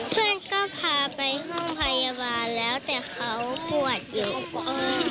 เพื่อนก็พาไปห้องพยาบาลแล้วแต่เขาปวดอยู่